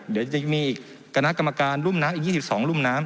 เดี๋ยวจะมีอีกคณะกรรมการรุ่มน้ำอีก๒๒รุ่มน้ำ